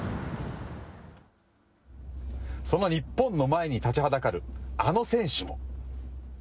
その日本の前に立ちはだかるあの選手も。